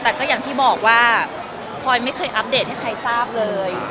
แต่ก็อย่างที่บอกว่าพลอยไม่เคยอัปเดตให้ใครทราบเลย